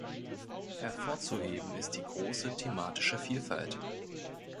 Hervorzuheben ist die große thematische Vielfalt.